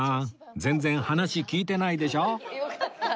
全然話聞いてないでしょ